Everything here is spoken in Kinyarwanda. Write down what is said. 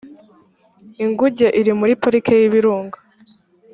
inguge iri muri pariki y ibirunga